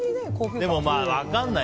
でも分かんない。